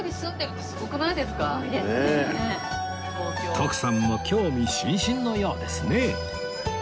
徳さんも興味津々のようですね